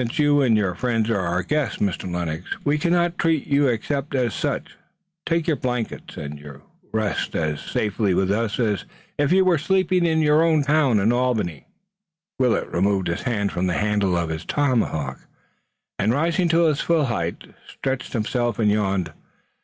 "Since you and your friends are our guests, Mr. Lennox, we cannot treat you except as such. Take to your blankets and you rest as safely with us as if you were sleeping in your own town of Albany." Willet removed his hand from the handle of his tomahawk, and, rising to his full height, stretched himself and yawned.